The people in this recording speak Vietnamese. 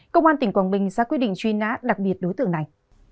công an tp thủ đức sẽ quyết định truy nã đặc biệt đối tượng này